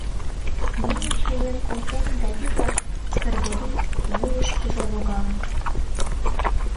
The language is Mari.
Немыч лӱен колтен да вигак Кргорий вуйышкыжо логалын.